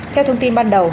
theo thông tin ban đầu